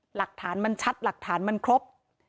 หลักฐานมันชัดหลักฐานมันครบ